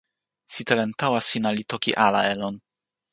sitelen tawa sina li toki ala e lon.